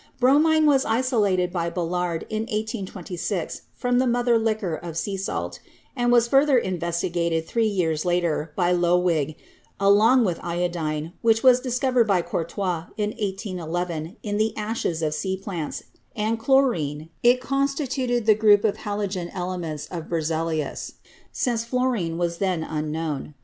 Bro mine was isolated by Balard in 1826 from the mother liquor of sea salt, and was further investigated three years later by Lowig; along with iodine, which was dis covered by Courtois in 181 1 in the ashes of sea plants, and chlorine, it constituted the group of halogen elements of Berzelius, since fluorine was then unknown.